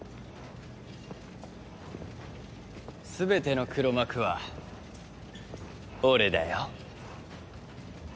全ての黒幕は俺だよ。